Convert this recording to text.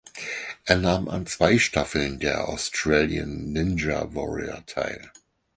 Er nahm an zwei Staffeln der Australian Ninja Warrior teil.